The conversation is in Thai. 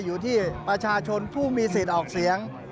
อยู่ที่ประชาชนผู้มีสิทธิ์ออกเสียง